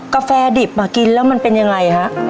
กาแฟดิบมากินแล้วมันเป็นยังไงฮะ